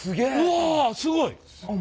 うわすごい！